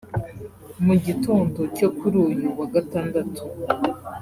Mu gitondo cyo kuri uyu wa Gandatatu